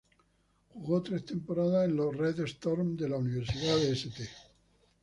Jugó tres temporadas en los "Red Storm" de la Universidad St.